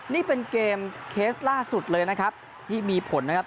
นี่เป็นเกมเคสล่าสุดเลยนะครับที่มีผลนะครับ